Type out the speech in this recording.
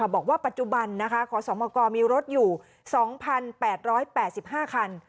บอกว่าปัจจุบันขอสมกมีรถอยู่๒๘๘๕คัน